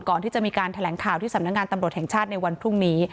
ก่อนที่จะมีการแถลงข่าวที่สำนักงานตำรวจแห่งชาติในวันพรุ่งนี้